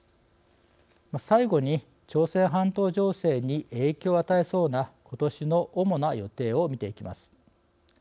最後に朝鮮半島情勢に影響を与えそうなことしの主な予定を見ていきます。